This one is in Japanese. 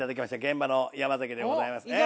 現場の山崎でございますね。